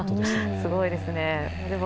すごいですね。